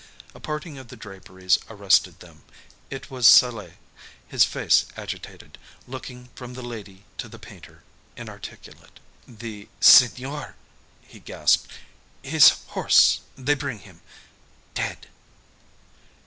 A parting of the draperies arrested them. It was Salai, his face agitated, looking from the lady to the painter, inarticulate. "The Signor" he gasped "his horse they bring him dead."